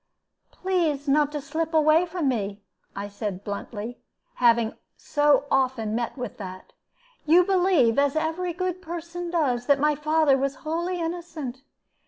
"Please not to slip away from me," I said, bluntly, having so often met with that. "You believe, as every good person does, that my father was wholly innocent.